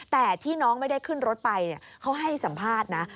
แต่ที่น้องไม่ได้ขึ้นรถไปเขาให้สัมภาษณ์นะ